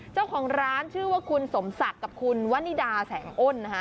เจ้าของร้านชื่อว่าคุณสมศักดิ์กับคุณวันนิดาแสงอ้นนะคะ